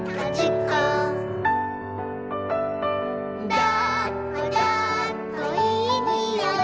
「だっこだっこいいにおい」